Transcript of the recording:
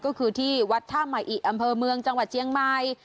ก็คือที่วัดท่าใหม่อิอำเภอเมืองจังหวัดเจียงใหม่